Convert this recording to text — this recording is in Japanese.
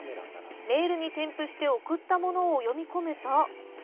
メールに添付して送ったものを読み込むと。